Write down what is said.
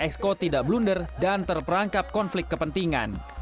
agar para eksko tidak blunder dan terperangkap konflik kepentingan